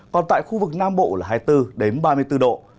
còn tại khu vực nam bộ là hai mươi bốn ba mươi bốn độ